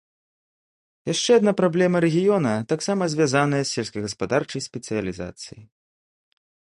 Яшчэ адна праблема рэгіёна таксама звязаная з сельскагаспадарчай спецыялізацыяй.